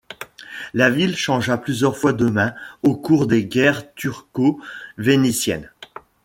La ville changea plusieurs fois de main au cours des guerres turco-vénitiennes.